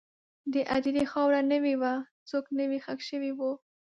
د هدیرې خاوره نوې وه، څوک نوی ښخ شوي وو.